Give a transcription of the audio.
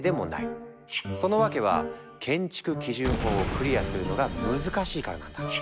その訳は建築基準法をクリアするのが難しいからなんだ。